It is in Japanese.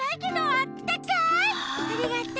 ありがとう。